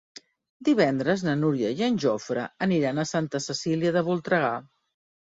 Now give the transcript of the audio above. Divendres na Núria i en Jofre aniran a Santa Cecília de Voltregà.